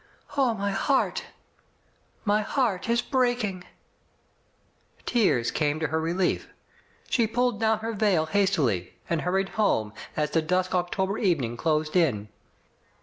Oh, my heart f My heart is breaking ! Tears came to her relief. She pulled down her veil hastily, and hurried home, as the dusk Octo ber evening closed in.